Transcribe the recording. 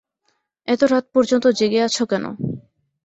এত রাত পর্যন্ত জেগে আছ কেন?